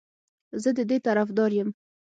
زه د دې طرفدار یم